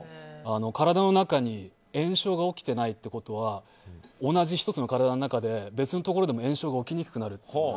体の中に炎症が起きていないということは同じ１つの体の中で別のところでも炎症が起きにくくなる。